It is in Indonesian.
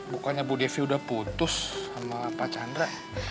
bukannya bu devi udah putus sama pak chandra